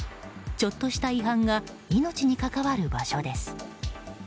ちょっとした違反が命に関わる場所です。